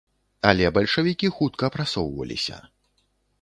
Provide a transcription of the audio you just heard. Але бальшавікі хутка прасоўваліся.